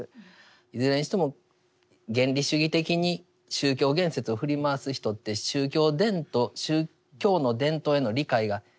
いずれにしても原理主義的に宗教言説を振り回す人って宗教伝統宗教の伝統への理解がシンプルすぎるんですよね。